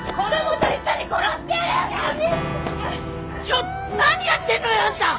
ちょっと何やってんのよあんた！